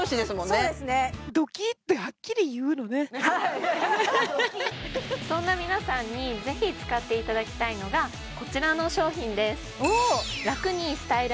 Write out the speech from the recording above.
そうですねはいそんな皆さんにぜひ使っていただきたいのがこちらの商品です